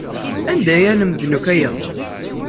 Anda ay lemden akk aya?